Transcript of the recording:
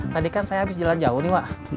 tadi kan saya habis jalan jauh nih pak